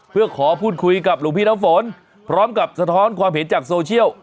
เพื่อขอพูดคุยกับหลวงพี่น้ำฝนพร้อมกับสะท้อนความเห็นจากโซเชียล